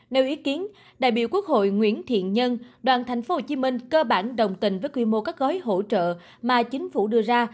nêu ý kiến đại biểu quốc hội nguyễn thiện nhân đoàn tp hcm cơ bản đồng tình với quy mô các gói hỗ trợ mà chính phủ đưa ra